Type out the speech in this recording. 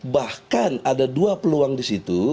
bahkan ada dua peluang disitu